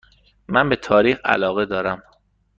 من به تاریخ علاقه دارم.